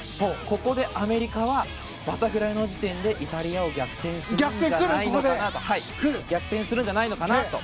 ここでアメリカはバタフライの時点でイタリアを逆転するんじゃないのかなと。